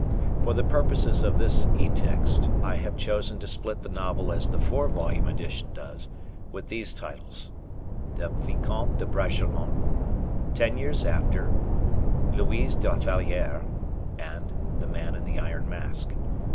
For the purposes of this etext, I have chosen to split the novel as the four volume edition does, with these titles: The Vicomte de Bragelonne, Ten Years Later, Louise de la Valliere, and The Man in the Iron Mask.